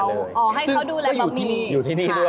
อ๋อให้เขาดูแลปะมี